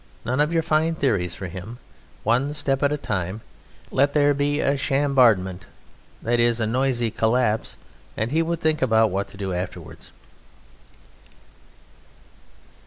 None of your fine theories for him. One step at a time. Let there be a Chambardement that is, a noisy collapse, and he would think about what to do afterwards.